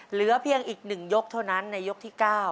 เหลือเพียงอีก๑ยกเท่านั้นในยกที่๙